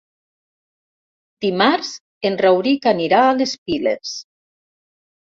Dimarts en Rauric anirà a les Piles.